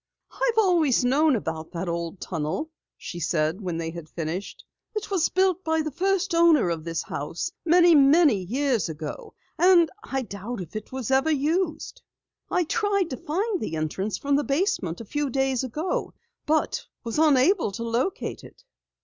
"I've always known about that old tunnel," she said when they had finished. "It was built by the first owner of this house, many, many years ago, and I doubt if it ever was used. I tried to find the entrance from the basement a few days ago, but was unable to locate it."